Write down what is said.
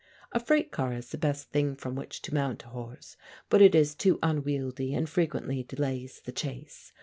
A freight car is the best thing from which to mount a horse, but it is too unwieldy and frequently delays the chase.